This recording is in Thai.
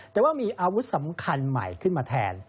แต่ว่ามีอาวุธสำคัญใหม่ขึ้นมาแทน